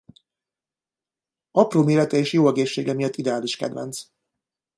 Apró mérete és jó egészsége miatt ideális kedvenc.